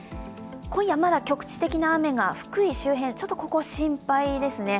今夜、まだ局地的な雨が福井周辺、ちょっとここ、心配ですね。